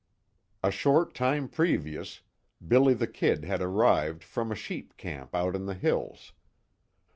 A short time previous, "Billy the Kid" had arrived from a sheep camp out in the hills.